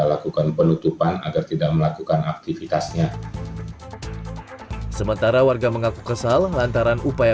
lakukan penutupan agar tidak melakukan aktivitasnya sementara warga mengaku kesal lantaran upaya